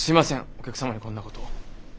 お客様にこんなこと。